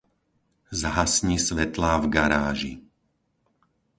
Zhasni svetlá v garáži.